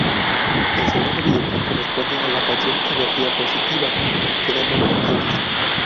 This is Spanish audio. El segundo videoclip corresponde a la canción "Energía positiva", que da nombre al disco.